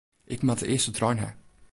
Ik moat de earste trein ha.